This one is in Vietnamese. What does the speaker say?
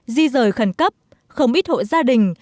di rời khẩn cấp không ít hộ gia đình